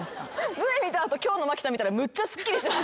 Ｖ見た後今日の麻貴さん見たらむっちゃすっきり顔。